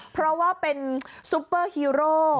เพราะว่าเป็นซุปเปอร์ฮีโร่